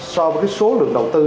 so với cái số lượng đầu tư